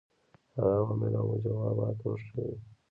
هغه عوامل او موجبات وښيیو.